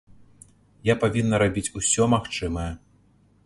Я павінна рабіць усё магчымае.